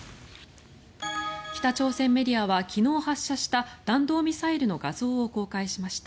北朝鮮メディアは昨日発射した弾道ミサイルの画像を公開しました。